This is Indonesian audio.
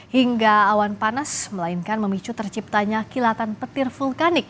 hingga awan panas melainkan memicu terciptanya kilatan petir vulkanik